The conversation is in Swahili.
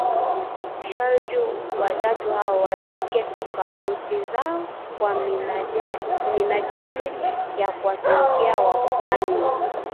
sharti watatu hao wazike tofauti zao kwa minajili ya kuwatumikia Wapwani